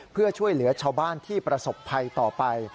เพื่อช่วยเหลือชาวบ้านที่ประสบภัยต่อไป